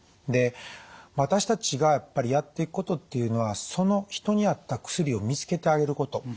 で私たちがやっぱりやっていくことっていうのはその人に合った薬を見つけてあげること。